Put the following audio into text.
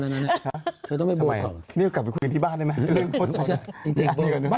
เกิดว่าไปบ้านได้ไหม